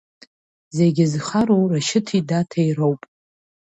Зегьы зхароу Рашьыҭи Даҭеи роуп.